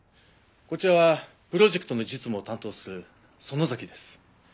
こちらはプロジェクトの実務を担当する園崎です。